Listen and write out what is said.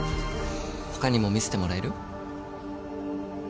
他にも見せてもらえる？